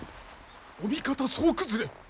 お味方総崩れ！